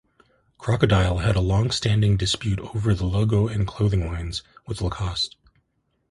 Crocodile had a long-standing dispute over the logo and clothing lines with Lacoste.